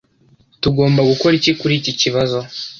Tugomba gukora iki kuri iki kibazo?